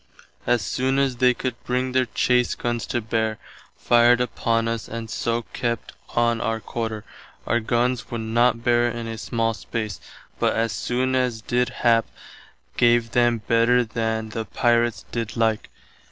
As soon as they could bring their chase gunns to bear, fired upon us and soe kept on our quarter. Our gunns would not bear in a small space, but as soon as did hap, gave them better than [the pirates] did like.